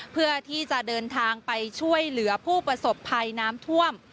เพื่อที่จะเดินทางไปช่วยเหลือผู้ประสบภัยน้ำท่วม